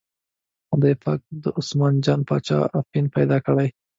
خدای پاک به د عثمان جان باچا اپین پیدا کړي.